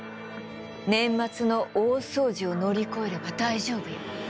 年末の大掃除を乗り越えれば大丈夫よ。